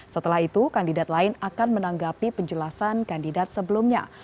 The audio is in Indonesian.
setelah itu kandidat lain akan menanggapi penjelasan kandidat sebelumnya